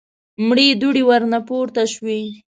مړې دوړې ورنه پورته شوې.